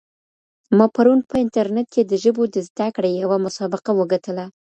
ما پرون په انټرنیټ کي د ژبو د زده کړې یوه مسابقه وګټله.